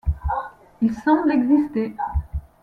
Il semble exister.